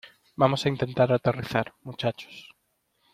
vamos a intentar aterrizar, muchachos.